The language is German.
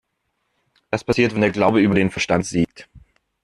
Das passiert, wenn der Glauben über den Verstand siegt.